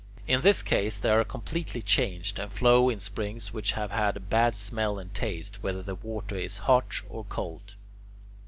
In this case they are completely changed, and flow in springs which have a bad smell and taste, whether the water is hot or cold.